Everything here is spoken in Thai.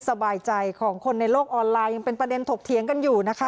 สบายใจของคนในโลกออนไลน์ยังเป็นประเด็นถกเถียงกันอยู่นะคะ